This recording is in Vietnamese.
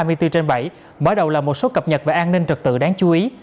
mở đầu là một số cập nhật về an ninh trật tự đáng chú ý